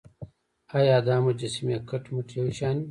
ایا دا مجسمې کټ مټ یو شان وې.